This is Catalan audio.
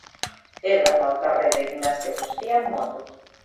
He d'anar al carrer d'Ignasi Agustí amb moto.